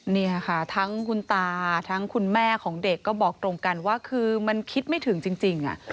นี่ค่ะทั้งคุณตาทั้งคุณแม่ของเด็กก็บอกตรงกันว่าคือมันคิดไม่ถึงจริง